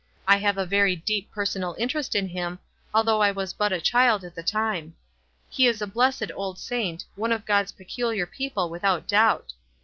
I have a very deep personal interest in him, though I was but a child at the time. He is a blessed old saint, one of God's pecular people without doubt.